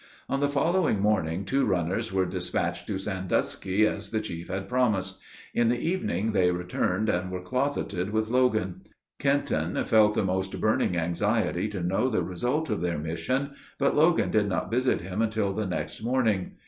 On the following morning, two runners were despatched to Sandusky as the chief had promised. In the evening they returned, and were closeted with Logan. Kenton felt the most burning anxiety to know the result of their mission, but Logan did not visit him until the next morning.